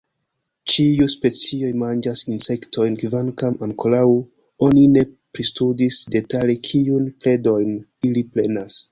Ĉiuj specioj manĝas insektojn, kvankam ankoraŭ oni ne pristudis detale kiujn predojn ili prenas.